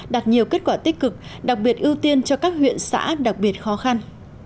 đạt nhiều kết quả tích cực đặc biệt ưu tiên cho các huyện xã đặc biệt khó khăn